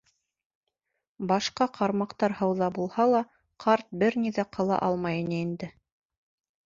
Башҡа ҡармаҡтар һыуҙа булһа ла, ҡарт бер ни ҙә ҡыла алмай ине инде.